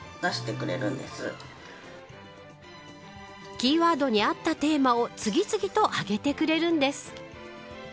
キーワードに合ったテーマを次々と挙げてくれるんです。